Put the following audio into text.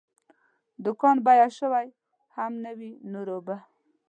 دوکان بیمه شوی هم نه وي، نور اوبه.